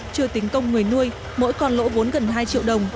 chưa tính công người nuôi mỗi con lỗ vốn gần hai triệu đồng